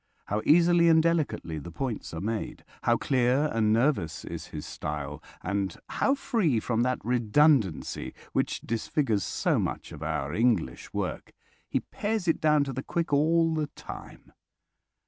How easily and delicately the points are made! How clear and nervous is his style, and how free from that redundancy which disfigures so much of our English work! He pares it down to the quick all the time.